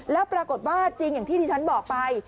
แล้วปรากฏว่าจริงอย่างที่ที่ฉันบอกไป